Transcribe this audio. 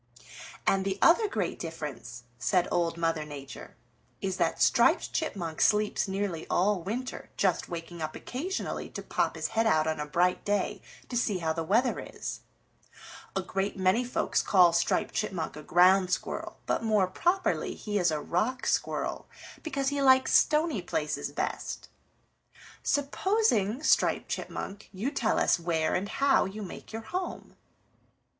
"And the other great difference," said Old Mother Nature, "is that Striped Chipmunk sleeps nearly all winter, just waking up occasionally to pop his head out on a bright day to see how the weather is. A great many folks call Striped Chipmunk a Ground Squirrel, but more properly he is a Rock Squirrel because he likes stony places best. Supposing, Striped Chipmunk, you tell us where and how you make your home."